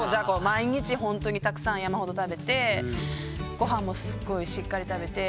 毎日本当にたくさん山ほど食べてご飯もすごいしっかり食べて。